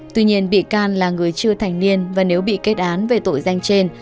tuy nhiên bị can là người chưa thành niên và nếu bị kết án về tội danh trên